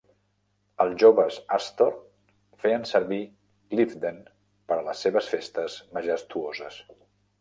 Els joves Astor feien servir Cliveden per a les seves festes majestuoses.